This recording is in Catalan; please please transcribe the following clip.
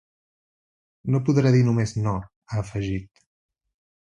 No podrà dir només no, ha afegit.